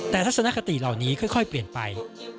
แต่ทัศนคติเหล่านี้ค่อยเปลี่ยนไป